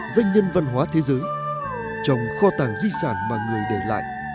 doanh nhân văn hóa thế giới trồng kho tàng di sản mà người để lại